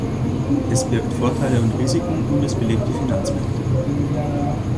Es birgt Vorteile und Risiken, und es belebt die Finanzmärkte.